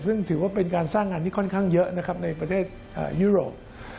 ซึ่งถือว่าเป็นการสร้างงานที่ค่อนข้างเยอะนะครับในประเทศยุโรป